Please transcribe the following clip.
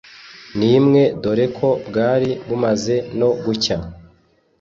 n’imwe dore ko bwari bumaze no gucya.